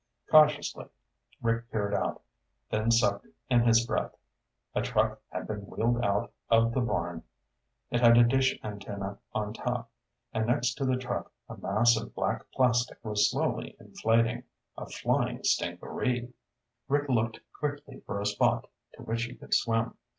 Cautiously Rick peered out, then sucked in his breath. A truck had been wheeled out of the barn. It had a dish antenna on top. And next to the truck, a mass of black plastic was slowly inflating. A flying stingaree! Rick looked quickly for a spot to which he could swim.